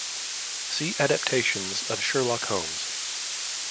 See Adaptations of Sherlock Holmes.